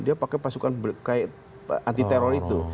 dia pakai pasukan kayak anti teror itu